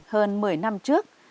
hơn một mươi năm trước